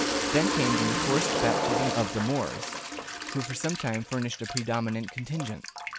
Then came the enforced baptism of the Moors, who for some time furnished a predominant contingent.